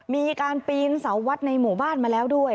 มีการปีนเสาวัดในหมู่บ้านมาแล้วด้วย